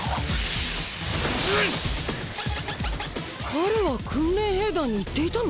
彼は訓練兵団に行っていたの？